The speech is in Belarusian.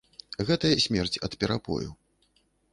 Гэта смерць ад перапою.